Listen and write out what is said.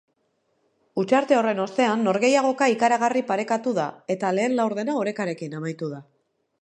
Hutsarte horren ostean norgehiagoka ikaragarri parekatu da eta lehen laurdena orekarekin amaitu da.